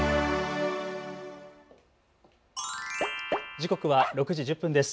時刻は６時１０分です。